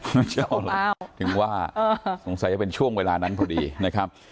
ไม่เชื่อแล้วถึงว่าสงสัยจะเป็นช่วงเวลานั้นพอดีนะครับ